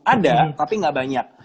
ada tapi tidak banyak